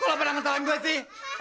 kok lo pernah ngetahuin gue sih